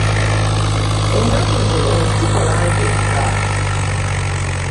Ennaku zino sikola nzeka.